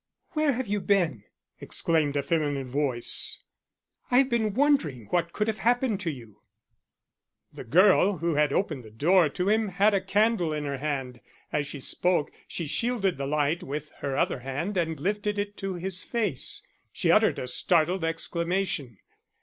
"Where have you been?" exclaimed a feminine voice. "I have been wondering what could have happened to you." The girl who had opened the door to him had a candle in her hand. As she spoke, she shielded the light with her other hand and lifted it to his face. She uttered a startled exclamation.